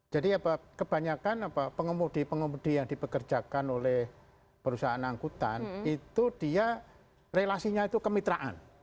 jadi apa kebanyakan pengemudi pengemudi yang dipekerjakan oleh perusahaan angkutan itu dia relasinya itu kemitraan